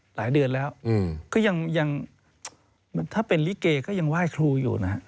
หลายเดือนแล้วก็ยังถ้าเป็นลิเกก็ยังไหว้ครูอยู่นะฮะ